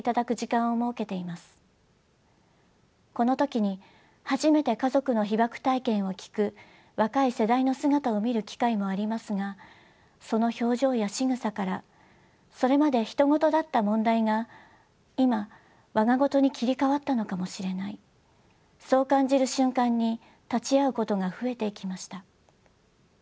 この時に初めて家族の被爆体験を聞く若い世代の姿を見る機会もありますがその表情やしぐさからそれまで他人事だった問題が今我が事に切り替わったのかもしれないそう感じる瞬間に立ち会うことが増えていきました。